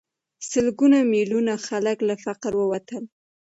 سلګونه میلیونه خلک له فقر ووتل.